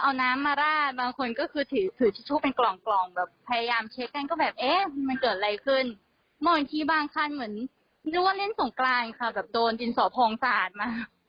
อาถีปัดน้ำปูนปัดไปไปจอดพัมมาสารเข้าไปเช็ดค่ะ